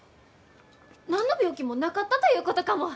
何の病気もなかったということかも！